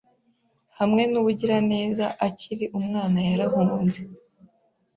hamwe nubugiraneza akiri umwana Yarahunze